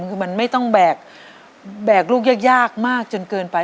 คือมันไม่ต้องแบกลูกยากมากจนเกินไป